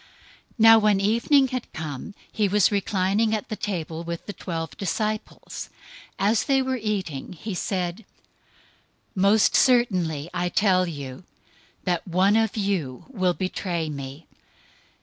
026:020 Now when evening had come, he was reclining at the table with the twelve disciples. 026:021 As they were eating, he said, "Most certainly I tell you that one of you will betray me."